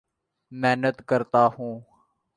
محنت کرتا ہوں